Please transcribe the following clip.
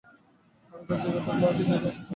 আমি তার জায়গায় থাকলে, ঠিক একই কাজ করতাম।